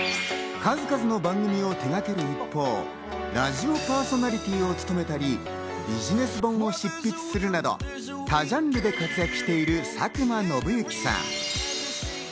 数々の番組を手がける一方、ラジオパーソナリティーを務めたり、ビジネス本を執筆するなど、多ジャンルで活躍している佐久間宣行さん。